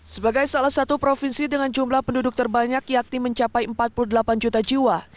sebagai salah satu provinsi dengan jumlah penduduk terbanyak yakni mencapai empat puluh delapan juta jiwa